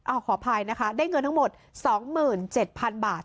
ขออภัยนะคะได้เงินทั้งหมด๒๗๐๐๐บาท